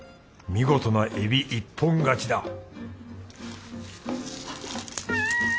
見事なエビ一本勝ちだ！